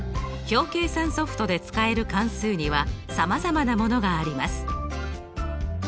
表計算ソフトで使える関数にはさまざまなものがあります。